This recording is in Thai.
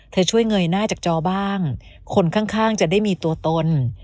เธอช่วยเงยหน้าจากจอบ้างคนข้างจะได้มีตัวตน